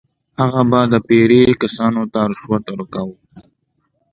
هغه به د پیرې کسانو ته رشوت ورکاوه.